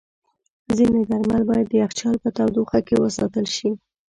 ځینې درمل باید د یخچال په تودوخه کې وساتل شي.